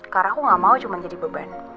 karena aku gak mau cuma jadi beban